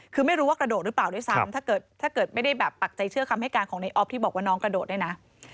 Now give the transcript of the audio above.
คือไม่รู้ว่ากระโดดหรือเปล่าด้วยซ้ำถ้าเกิดถ้าเกิดไม่ได้แบบปักใจเชื่อคำให้การของในออฟที่บอกว่าน้องกระโดดด้วยนะ